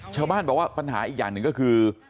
ชาวบ้านบอกว่าปัญหาอีกอย่างหนึ่งก็คือ